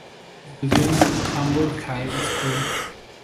Estudió en Hamburg High School.